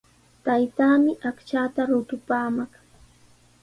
Taytaami aqchaata rutupaamaq.